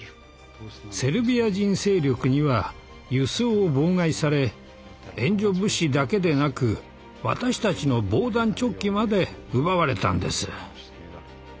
セルビア人勢力には輸送を妨害され援助物資だけでなく私たちの防弾チョッキまで奪われたんです。